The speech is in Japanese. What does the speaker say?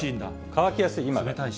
乾きやすい今が。